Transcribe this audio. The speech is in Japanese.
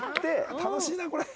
楽しいねこれ！